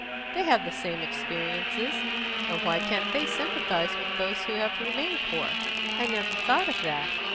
They have the same experiences, and why can't they sympathise with those who have remained poor?" "I never thought of that.